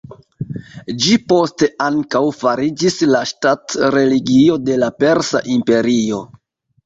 Ĝi poste ankaŭ fariĝis la ŝtat-religio de la Persa imperio.